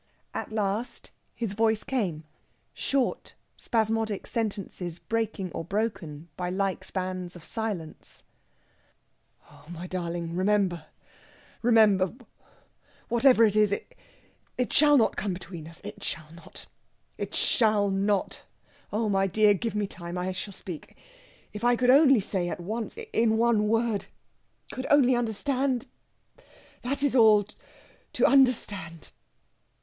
At last his voice came short, spasmodic sentences breaking or broken by like spans of silence: "Oh, my darling, my darling, remember!... remember!... whatever it is ... it shall not come between us ... it shall not ... it shall not.... Oh, my dear!... give me time, and I shall speak ... if I could only say at once ... in one word ... could only understand ... that is all ... to understand...."